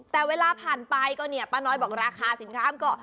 แต่เวลาผ่านไปก็เนี่ยป้าน้อยบอกราคาสินค้ามันก็